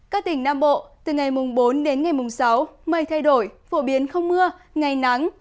các tỉnh nam bộ từ ngày mùng bốn đến ngày mùng sáu mây thay đổi phổ biến không mưa ngày nắng